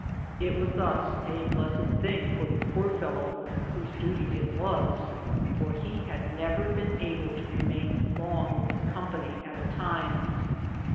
It was thus a blessed thing for the poor fellow whose duty it was, for he had never been able to remain long with his company at a time.